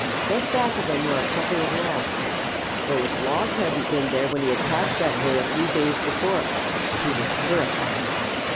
Just back of them were a couple of logs. Those logs hadn't been there when he passed that way a few days before. He was sure of it.